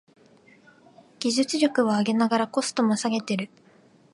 技術力を上げながらコストも下げてる